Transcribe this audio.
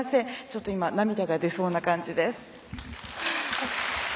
ちょっと今、涙が出そうな感じです。